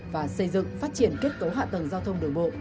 và xây dựng phát triển kết cấu hạ tầng giao thông đường bộ